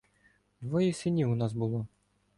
Двоє синів у нас було.